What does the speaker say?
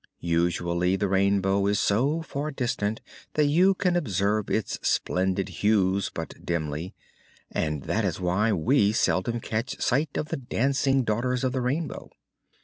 Usually the Rainbow is so far distant that you can observe its splendid hues but dimly, and that is why we seldom catch sight of the dancing Daughters of the Rainbow.